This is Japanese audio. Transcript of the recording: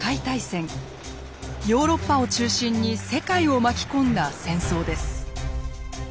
ヨーロッパを中心に世界を巻き込んだ戦争です。